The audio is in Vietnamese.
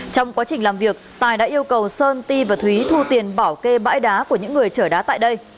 trong quá trình làm việc tài đã yêu cầu sơn ti và thúy thu tiền bảo kê bãi đá của những người chở đá tại đây